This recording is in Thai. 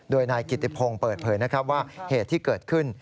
โดยนายกิติพงศ์เปิดเผยนะครับว่าเหตุที่เกิดขึ้น